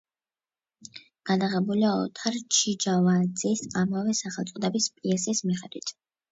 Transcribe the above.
გადაღებულია ოთარ ჩიჯავაძის ამავე სახელწოდების პიესის მიხედვით.